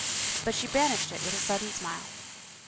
But she banished it with a sudden smile.